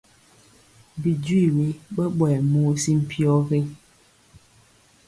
Bi jwi we ɓɔɓɔyɛ muu si mpyɔ gé?